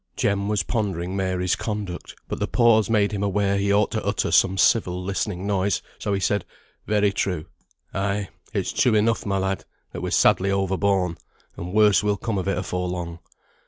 _] Jem was pondering Mary's conduct; but the pause made him aware he ought to utter some civil listening noise; so he said "Very true." "Ay, it's true enough, my lad, that we're sadly over borne, and worse will come of it afore long.